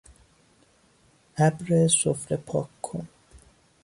ابر سفره پاک کن